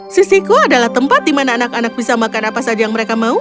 sisiko adalah tempat di mana anak anak bisa makan apa saja yang mereka mau